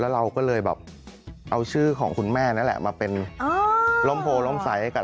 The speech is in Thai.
ข้างบัวแห่งสันยินดีต้อนรับทุกท่านนะครับ